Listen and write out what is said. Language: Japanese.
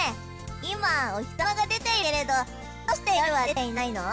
今お日さまが出ているけれどどうして夜は出ていないの？